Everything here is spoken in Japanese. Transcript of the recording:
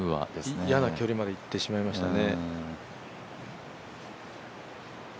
結構嫌な距離までいってしまいましたね。